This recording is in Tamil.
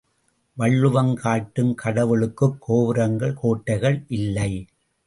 வள்ளுவம் காட்டும் கடவுளுக்குக் கோபுரங்கள் கோட்டைகள் இல்லை.